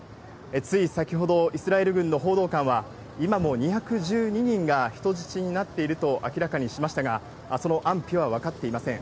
つい先ほど、イスラエル軍の報道官は、今も２１２人が人質になっていると明らかにしましたが、その安否は分かっていません。